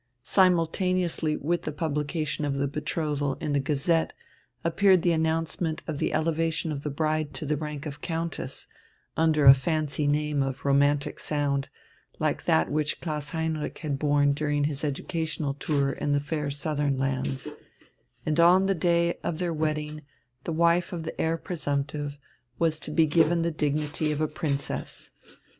Simultaneously with the publication of the betrothal in the Gazette appeared the announcement of the elevation of the bride to the rank of countess under a fancy name of romantic sound, like that which Klaus Heinrich had borne during his educational tour in the fair southern lands; and on the day of their wedding the wife of the heir presumptive was to be given the dignity of a princess.